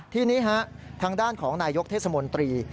ทีนี้ทางด้านของนายยกเทศมนตรี